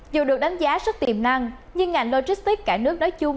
dù được đánh giá rất tiềm năng nhưng ngành logistics cả nước nói chung